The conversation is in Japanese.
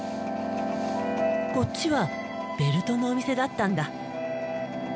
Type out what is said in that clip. こっちはベルトのお店だったんだ。